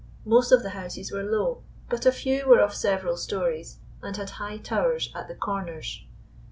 Most of the houses were low, but a few were of several stories, and had high towers at the corners.